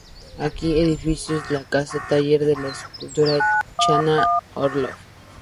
Aquí edificó la casa-taller de la escultora Chana Orloff.